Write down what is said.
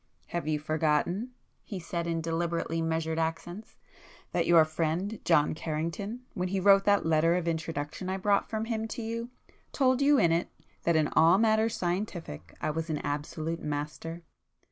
"Have you forgotten"—he said in deliberately measured accents—"that your friend John Carrington, when he wrote that letter of introduction I brought from him to you, told you in it, that in all matters scientific I was an 'absolute master?